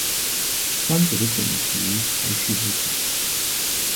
三者的等级排序不同。